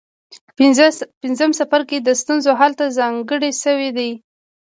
پنځم څپرکی د ستونزو حل ته ځانګړی شوی دی.